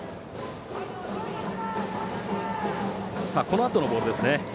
このあとのボールですね。